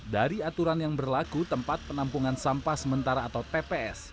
dari aturan yang berlaku tempat penampungan sampah sementara atau tps